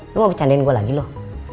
lo mau candain gue lagi loh